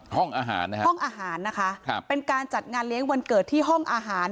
ห้องอาหารนะคะห้องอาหารนะคะครับเป็นการจัดงานเลี้ยงวันเกิดที่ห้องอาหาร